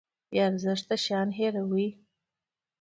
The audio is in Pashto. بې ارزښته شیان هیروي.